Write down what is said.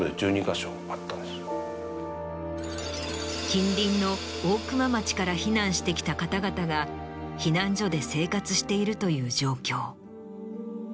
近隣の大熊町から避難してきた方々が避難所で生活しているという状況。